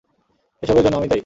এসবের জন্য আমিই দায়ী।